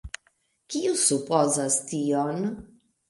Kiu supozas tion?